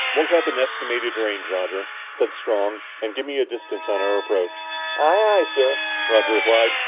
"Work up an estimated range, Roger," said Strong, "and give me a distance on our approach." "Aye, aye, sir," Roger replied.